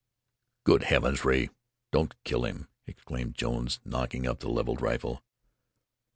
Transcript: "Good heavens, Rea, don't kill him!" exclaimed Jones, knocking up the leveled rifle.